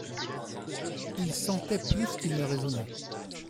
Il sentait plus qu'il ne raisonnait.